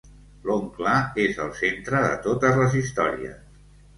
L'oncle és el centre de totes les històries.